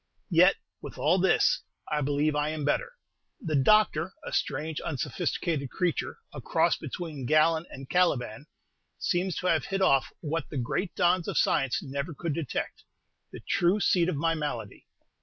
Yet, with all this, I believe I am better; the doctor, a strange, unsophisticated creature, a cross between Galen and Caliban, seems to have hit off what the great dons of science never could detect, the true seat of my malady.